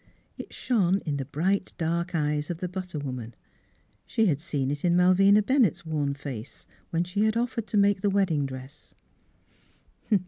It shone in the bright dark eyes of the butter woman. She had seen it in Mal vina Bennett's worn face, when she had of fered to make the wedding dress.